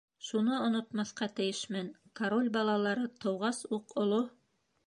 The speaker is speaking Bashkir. Шуны онотмаҫҡа тейешмен: король балалары тыуғас уҡ оло...